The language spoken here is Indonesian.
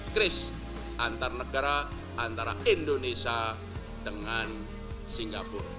kris antar negara antara indonesia dengan singapura